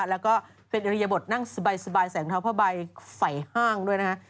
แล้วก็เป็นอริยบทนั่งสบายแสงเท้าผ้าใบไฝ่ห้างด้วยนะฮะ